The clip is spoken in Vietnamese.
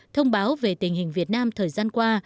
thông báo về tình hình việt nam thời gian qua